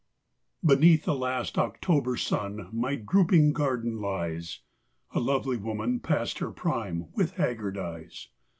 Beneath the last October sun My drooping garden lies ; A lovely woman, past her prime, With haggard eyes.